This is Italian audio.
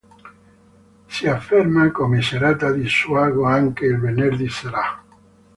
Si afferma come serata di svago anche il venerdì sera.